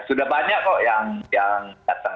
sudah banyak kok yang datang